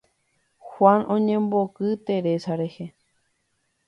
Juan oñemboki Teresa rehe.